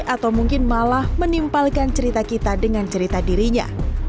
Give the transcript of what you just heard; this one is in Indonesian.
atau mungkin malah menimpalkan cerita kita dengan cerita dirinya